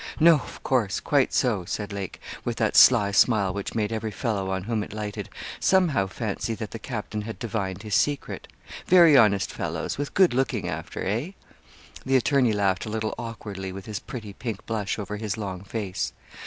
'No, of course quite so,' said Lake, with that sly smile which made every fellow on whom it lighted somehow fancy that the captain had divined his secret. 'Very honest fellows, with good looking after eh?' The attorney laughed a little awkwardly, with his pretty pink blush over his long face.